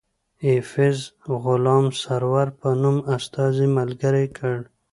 ایفز غلام سرور په نوم استازی ملګری کړ.